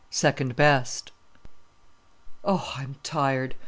Second Best "Oh, I'm tired!"